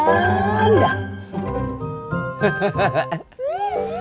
nang iya belum balik ya